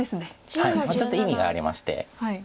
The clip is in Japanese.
はいちょっと意味がありまして。